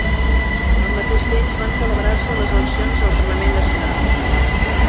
Al mateix temps van celebrar-se les eleccions al parlament nacional.